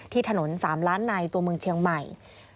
ถนน๓ล้านในตัวเมืองเชียงใหม่